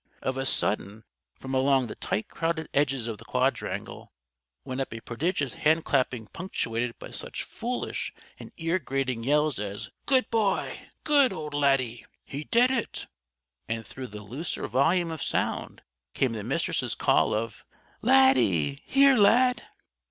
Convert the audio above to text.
Of a sudden, from along the tight crowded edges of the quadrangle, went up a prodigious handclapping punctuated by such foolish and ear grating yells as "Good boy!" "Good old Laddie!" "He did it!" And through the looser volume of sound came the Mistress' call of: "Laddie! Here, _Lad!